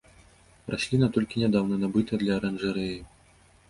Расліна толькі нядаўна набытая для аранжарэі.